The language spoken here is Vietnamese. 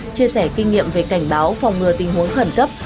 chia sẻ kinh nghiệm về cảnh báo phòng ngừa tình huống khẩn cấp